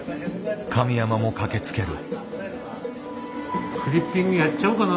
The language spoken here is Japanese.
上山も駆けつける。